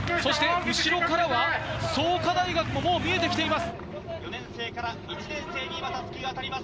後ろからは創価大学も見えてきています。